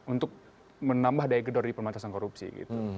untuk menambah daigedor di perbatasan korupsi gitu